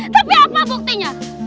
tapi apa buktinya